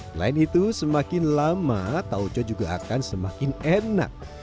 selain itu semakin lama tauco juga akan semakin enak